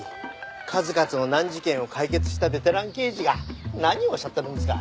数々の難事件を解決したベテラン刑事が何をおっしゃってるんですか。